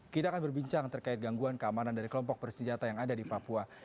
kita akan berbincang terkait gangguan keamanan dari kelompok bersenjata yang ada di papua